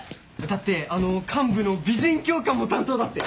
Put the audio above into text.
だってあの幹部の美人教官も担当だって。